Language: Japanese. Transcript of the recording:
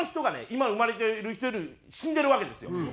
今生まれている人より死んでるわけですよ。